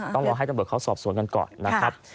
ต้องรอให้ตำรวจเขาสอบสวนกันก่อนนะครับ